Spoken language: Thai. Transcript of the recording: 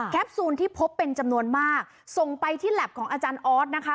ซูลที่พบเป็นจำนวนมากส่งไปที่แล็บของอาจารย์ออสนะคะ